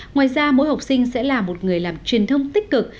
ngoài ra mỗi học sinh sẽ là một người làm truyền thông tích cực